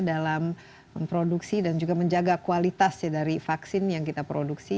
dalam memproduksi dan juga menjaga kualitas ya dari vaksin yang kita produksi